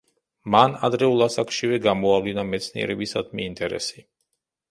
მან ადრეულ ასაკშივე გამოავლინა მეცნიერებისადმი ინტერესი.